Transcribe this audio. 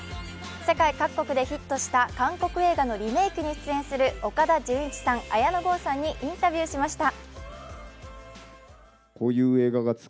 世界各国でヒットした韓国映画のリメイクに出演する岡田准一さん、綾野剛さんにインタビューしました。